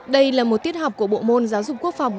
đây là một tiết học của bộ môn giáo dục quốc phòng